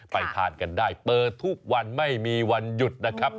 ไปทานกันได้เปิดทุกวันไม่มีวันหยุดนะครับ